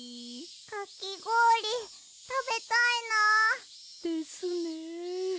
かきごおりたべたいな。ですね。